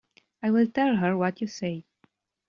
I will tell her what you say.